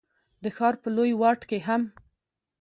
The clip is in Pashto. د ښار په لوی واټ کي هم،